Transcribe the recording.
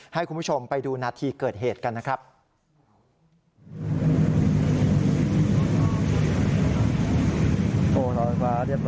ให้คุณผู้ชมไปดูนาทีเกิดเหตุกันนะครับ